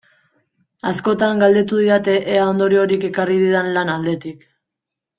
Askotan galdetu didate ea ondoriorik ekarri didan lan aldetik.